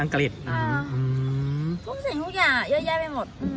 กลุ่มเสียงทุกอย่างเยอะแยะไปหมด